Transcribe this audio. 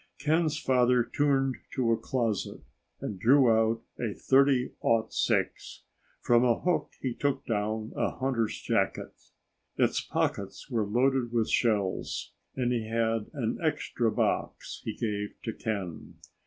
Ken's father turned to a closet and drew out a .30 06. From a hook he took down a hunter's jacket. Its pockets were loaded with shells, and he had an extra box he gave to Ken.